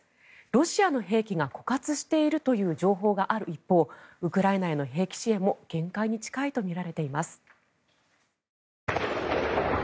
ロシアの兵器が枯渇しているという情報がある一方ウクライナへの兵器支援も限界に近いとみられています。